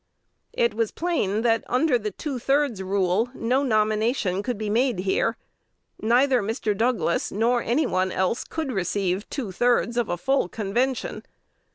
It was plain that under the two thirds rule no nomination could be made here. Neither Mr. Douglas nor any one else could receive two thirds of a full convention.